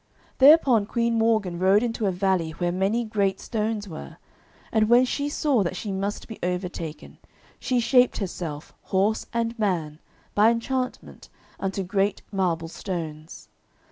Thereupon Queen Morgan rode into a valley where many great stones were, and when she saw that she must be overtaken, she shaped herself, horse and man, by enchantment, unto great marble stones.